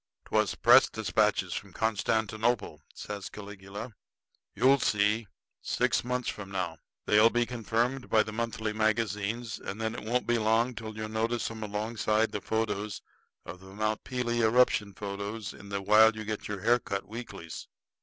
'" "'Twas press despatches from Constantinople," says Caligula. "You'll see, six months from now. They'll be confirmed by the monthly magazines; and then it won't be long till you'll notice 'em alongside the photos of the Mount Pelee eruption photos in the while you get your hair cut weeklies.